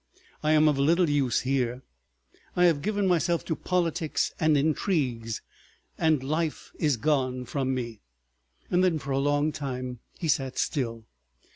I am of little use here. I have given myself to politics and intrigues, and life is gone from me." Then for a long time he sat still.